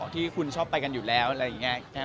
ที่คุณชอบไปกันอยู่แล้วอะไรอย่างนี้